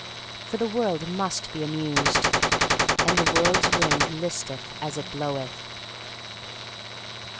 For the world must be amused. And the world's wind listeth as it bloweth.